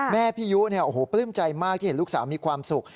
แม่พี่ยุธิเนี่ยโอ้โหปลื้มใจมากที่เห็นลูกสาวมีความสุข